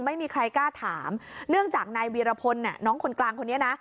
ไม่มีใครกล้าถามเนื่องจากนายวีรพลน้องคนกลางคนนี้นะ